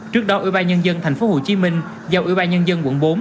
trước đó ủy ban nhân dân tp hcm giao ủy ban nhân dân quận bốn